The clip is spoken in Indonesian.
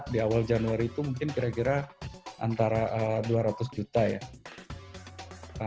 di awal januari itu mungkin kira kira antara dua ratus juta ya